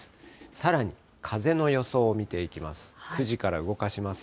さらに、風の予想を見ていきます。